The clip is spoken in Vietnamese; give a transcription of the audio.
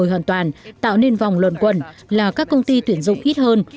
vượt tiêu dùng tư nhân vẫn chưa phục hồi hoàn toàn tạo nên vòng luận quẩn là các công ty tuyển dụng ít hơn